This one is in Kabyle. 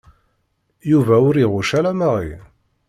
Yuba ur iɣucc ara Mary.